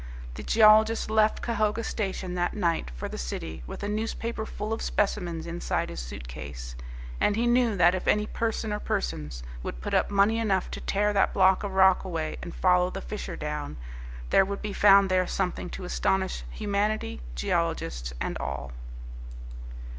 The geologist left Cahoga station that night for the City with a newspaper full of specimens inside his suit case, and he knew that if any person or persons would put up money enough to tear that block of rock away and follow the fissure down, there would be found there something to astonish humanity, geologists and all.